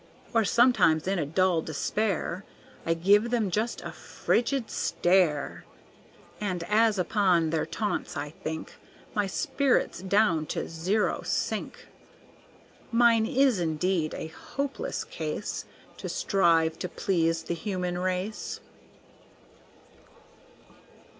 Or sometimes in a dull despair, I give them just a frigid stare; And as upon their taunts I think My spirits down to zero sink. Mine is indeed a hopeless case; To strive to please the human race!